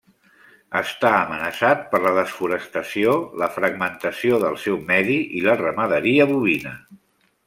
Està amenaçat per la desforestació, la fragmentació del seu medi i la ramaderia bovina.